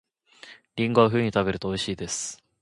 りんごは冬に食べると美味しいです